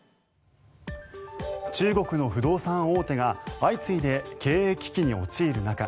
中国の不動産大手が相次いで経営危機に陥る中